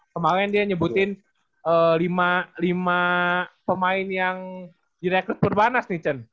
kemaren dia nyebutin lima pemain yang di rekrut perbanas nih chan